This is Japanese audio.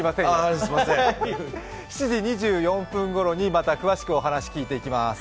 ７時２４分ごろにまた詳しくお話聞いていきます。